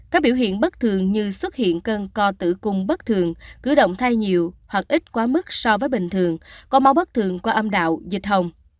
các biểu hiện bất thường như xuất hiện cơn co tử cung bất thường cứ động thay nhiều hoặc ít quá mức so với bình thường có máu bất thường qua âm đạo dịch hồng